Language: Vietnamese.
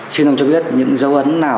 xin ông cho biết những dấu ấn nào